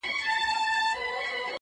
جهاني زه هم لکه شمع سوځېدل مي زده دي.!